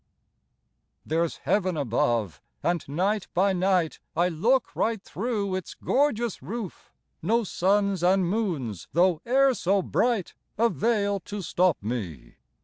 ''There's Heaven above, and night by night I look right through its gorgeous roof; No suns and moons though e'er so bright Avail to stop me